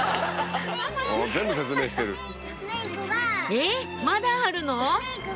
えっまだあるの？